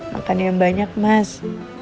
makan yang banyak mas